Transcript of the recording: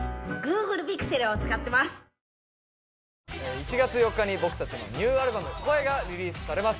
１月４日に僕たちのニューアルバム『声』がリリースされます。